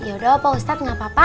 ya udah pak ustadz gapapa